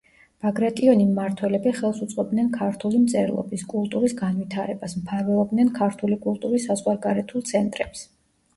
ბაგრატიონი მმართველები ხელს უწყობდნენ ქართული მწერლობის, კულტურის განვითარებას, მფარველობდნენ ქართული კულტურის საზღვარგარეთულ ცენტრებს.